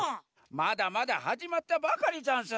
まだまだはじまったばかりざんす。